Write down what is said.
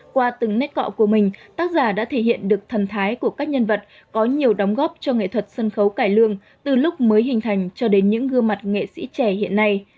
qua từng nét cọ của mình tác giả đã thể hiện được thần thái của các nhân vật có nhiều đóng góp cho nghệ thuật sân khấu cải lương từ lúc mới hình thành cho đến những gương mặt nghệ sĩ trẻ hiện nay